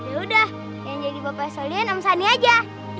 ya udah yang jadi bapak selain om sani aja